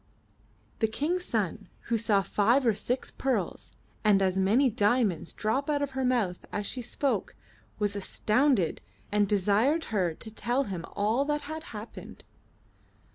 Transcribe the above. The King's son who saw five or six pearls and as many diamonds drop out of her mouth as she spoke, was astounded and desired her to tell him all that had happened.